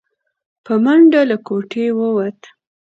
په منډه له کوټې ووت.